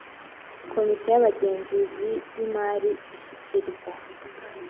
komite y abagenzuzi b imari ishyikiriza